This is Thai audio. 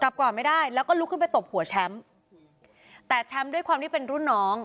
ก่อนไม่ได้แล้วก็ลุกขึ้นไปตบหัวแชมป์แต่แชมป์ด้วยความที่เป็นรุ่นน้อง